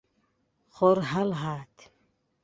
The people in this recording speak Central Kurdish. خۆر هەڵهات.